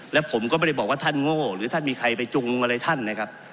และผมก็ไม่ได้บอกว่าท่านโง่หรือท่านมีใครไปจุงอะไรท่านนะครับ